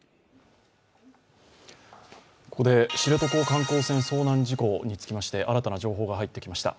ここで、知床観光船遭難事故につきまして新たな情報が入ってきました。